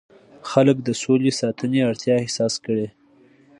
خلک د سولې ساتنې اړتیا احساس کړي.